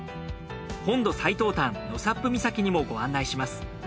本土最東端納沙布岬にもご案内します。